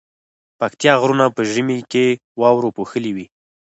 پکتيا غرونه په ژمی کی واورو پوښلي وی